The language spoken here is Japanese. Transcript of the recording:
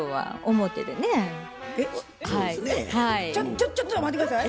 ちょちょっと待って下さい。